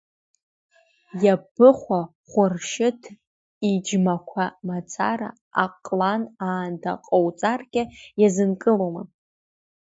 Иабыхәа, Хәыршьыҭ иџьмақәа мацара, аҟлан аанда ҟоуҵаргьы иазынкылома!